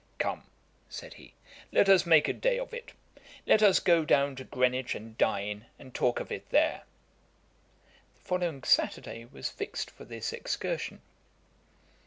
'Come, (said he) let us make a day of it. Let us go down to Greenwich and dine, and talk of it there.' The following Saturday was fixed for this excursion.